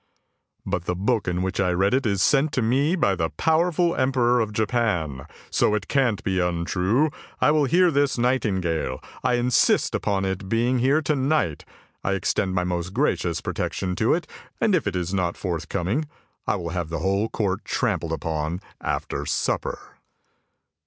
"" But the book in which I read it is sent to me by the power ful Emperor of Japan, so it can't be untrue, I will hear this nightingale, I insist upon its being here to night. I extend my most gracious protection to it, and if it is not forthcoming, I will have the whole court trampled upon after supper!